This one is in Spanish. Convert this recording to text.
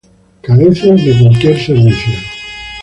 Carece de cualquier servicio.